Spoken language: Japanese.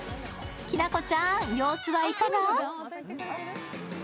きなこちゃん、様子はいかが？